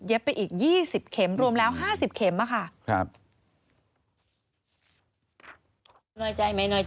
ไปอีก๒๐เข็มรวมแล้ว๕๐เข็มค่ะ